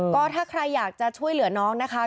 ก็ถ้าใครอยากจะช่วยเหลือน้องนะคะ